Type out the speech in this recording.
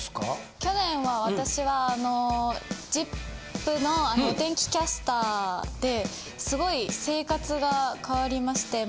去年は私は『ＺＩＰ！』のお天気キャスターですごい生活が変わりまして毎日。